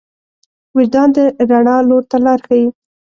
وجدان د رڼا لور ته لار ښيي.